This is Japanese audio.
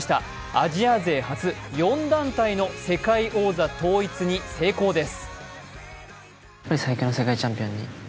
アジア勢初、４団体の世界王座統一に成功です。